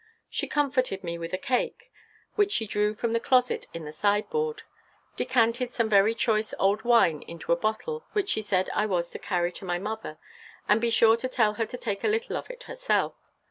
She comforted me with a cake, which she drew from the closet in the sideboard; decanted some very choice old wine into a bottle, which she said I was to carry to my mother, and be sure and tell her to take a little of it herself.